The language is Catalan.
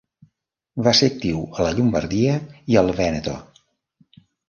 Va ser actiu a la Llombardia i al Vèneto.